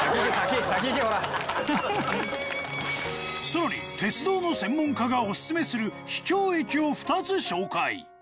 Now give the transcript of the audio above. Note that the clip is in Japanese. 更に鉄道の専門家がオススメする秘境駅を２つ紹介。